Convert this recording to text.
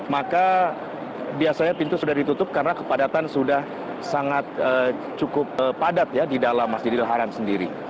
maka biasanya pintu sudah ditutup karena kepadatan sudah cukup padat ya di dalam masjidil haram sendiri